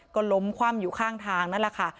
ก็ล้มคว่ำอยู่ข้างทางนั่นแหละค่ะ